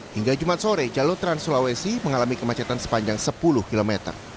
hingga jumat sore jalur trans sulawesi mengalami kemacetan sepanjang sepuluh km